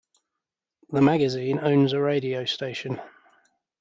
The magazine owns a radio station.